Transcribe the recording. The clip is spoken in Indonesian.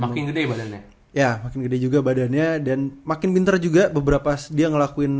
makin gede badannya ya makin gede juga badannya dan makin pinter juga beberapa dia ngelakuin